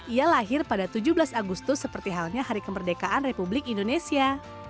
ia lahir pada tujuh belas agustus seperti halnya hari kemerdekaan republik indonesia